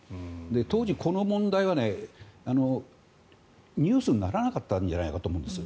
当時、この問題はニュースにならなかったんじゃないかと思うんです。